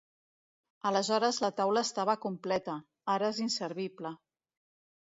Aleshores la taula estava completa: ara és inservible.